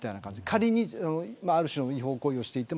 仮にある種の違法行為をしていても。